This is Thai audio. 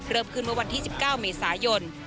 เริ่มขึ้นเมื่อวันที่๑๙เมษายน